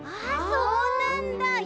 あそうなんだ！